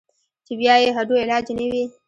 چې بيا ئې هډو علاج نۀ وي -